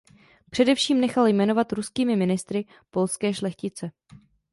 Především nechal jmenoval ruskými ministry polské šlechtice.